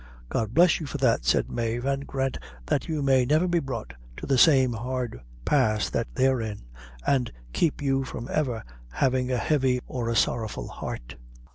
"God bless you for that," said Mave, "an grant that you may never be brought to the same hard pass that they're in, and keep you from ever having a heavy or a sorrowful heart."